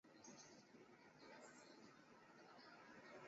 血压升高和肌肉震颤和呼吸减慢则较罕见。